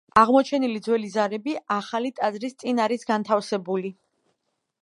აღმოჩენილი ძველი ზარები ახალი ტაძრის წინ არის განთავსებული.